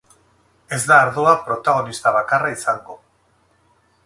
Ez da ardoa protagonista bakarra izango.